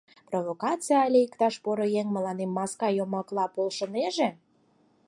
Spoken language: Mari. Провокаций але иктаж поро еҥ мыланем маска йомакла полшынеже?»